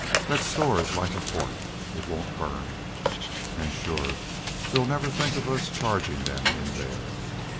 Thet store is like a fort. It won't burn. An' shore they'd never think of us chargin' them in there.